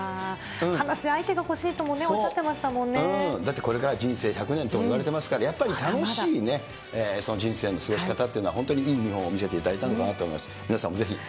話し相手が欲しいともおっしだって、これから人生１００年といわれてますから、やっぱり楽しいね、人生の過ごし方っていうのは、本当にいい見本を見せていただいたのかなと思います。